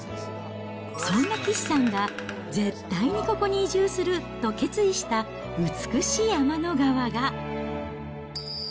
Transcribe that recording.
そんな岸さんが、絶対にここに移住すると決意した美しい天の川が。